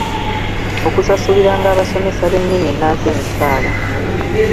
Okusasuliranga abasomesa b’ennimi ennansi emisaala